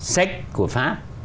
sách của pháp